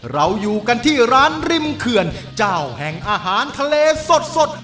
เราอยู่กันที่ร้านริมเขื่อนเจ้าแห่งอาหารทะเลสด